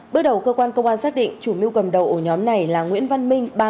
bước đầu cơ quan công an xác định chủ mưu cầm đầu ổ nhóm này là nguyễn văn minh